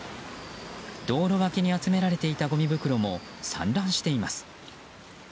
道路脇に集められていたごみ袋も散乱しています。